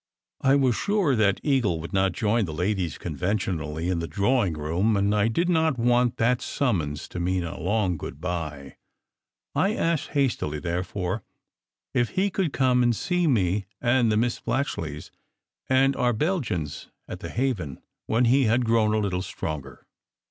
I was sure that Eagle would not join the ladies conventionally in the drawing room, and I did not want that summons to mean a long good bye. I asked hastily, therefore, if he would come and see me and the Miss Splatchleys and our Belgians at "The Haven," when he had grown a little stronger.